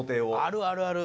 「あるあるある」